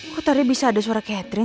kok tadi bisa ada suara catherine